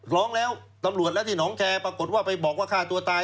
ร้องแล้วตำรวจแล้วที่หนองแคร์ปรากฏว่าไปบอกว่าฆ่าตัวตาย